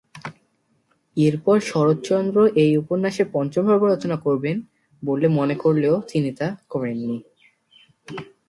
এরপর শরৎচন্দ্র এই উপন্যাসের পঞ্চম পর্ব রচনা করবেন বলে মনে করলেও তিনি তা করেননি।